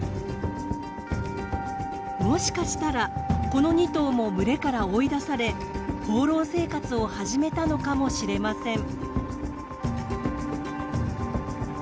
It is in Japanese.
もしかしたらこの２頭も群れから追い出され放浪生活を始めたのかもしれません。